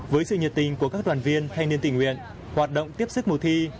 với sự nhiệt tình của các đoàn viên thanh niên tình nguyện hoạt động tiếp sức mùa thi